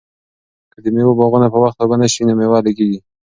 که د مېوو باغونه په وخت اوبه نشي نو مېوه لږیږي.